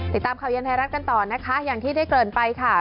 ติดตามข่าวเย็นไทยรัฐกันต่อนะคะอย่างที่ได้เกริ่นไปค่ะ